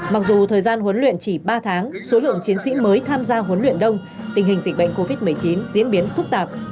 mặc dù thời gian huấn luyện chỉ ba tháng số lượng chiến sĩ mới tham gia huấn luyện đông tình hình dịch bệnh covid một mươi chín diễn biến phức tạp